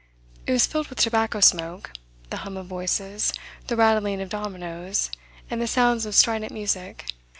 It was filled with tobacco smoke, the hum of voices, the rattling of dominoes, and the sounds of strident music.